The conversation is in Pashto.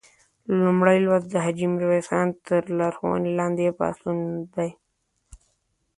لومړی لوست د حاجي میرویس خان تر لارښوونې لاندې پاڅون دی.